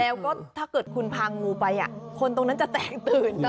แล้วก็ถ้าเกิดคุณพางูไปคนตรงนั้นจะแตกตื่น